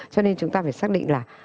cho nên chúng ta phải xác định là